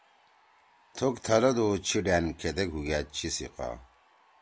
تُھوک تھلَدُو چھی ڈأن کھیدیک ہُوگأدچی سیِقا